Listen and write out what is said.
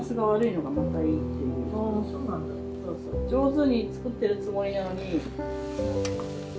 上手に作ってるつもりなのに。